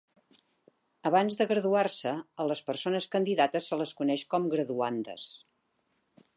Abans de graduar-se, a les persones candidates se les coneix com graduandes.